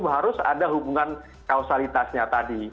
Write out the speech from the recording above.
harus ada hubungan kausalitasnya tadi